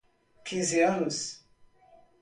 Quinze anos